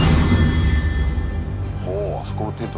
ほうあそこのテント